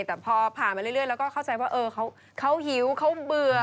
แต่พอผ่านมาเรื่อยแล้วก็เข้าใจว่าเขาหิวเขาเบื่อ